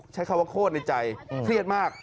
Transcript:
ใช้คำว่าโคตรในใจเครียดมาก